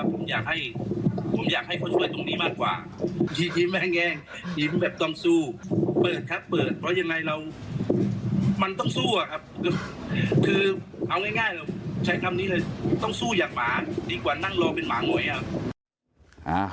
ต้องสู้อยากหมาดีกว่านั่งรอเป็นหมาง้วยอ่ะ